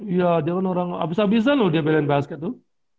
iya dia kan orang abis abisan loh dia pilih basket tuh